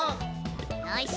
よし。